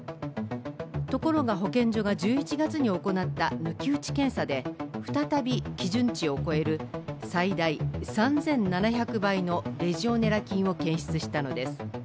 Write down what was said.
ところが保健所が１１月に行った抜き打ち検査で再び基準値を超える最大３７００倍のレジオネラ菌を検出したのです。